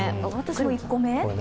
私も１個目。